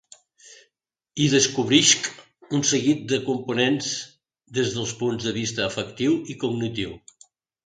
Hi descobrisc un seguit de components des dels punts de vista afectiu i cognitiu.